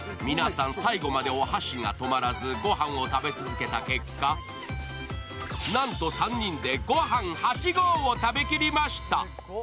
皆さん最後までお箸が止まらず、御飯を食べ続けた結果、なんと３人で御飯８合を食べきりました。